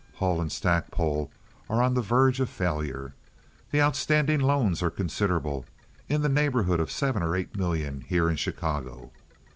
Hull & Stackpole are on the verge of failure. The outstanding loans are considerable—in the neighborhood of seven or eight million here in Chicago.